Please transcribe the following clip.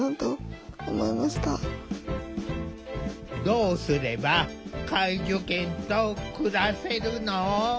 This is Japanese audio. どうすれば介助犬と暮らせるの？